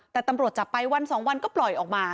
แต่ตำรวจจับไปวันสองวันก็ปล่อยออกมา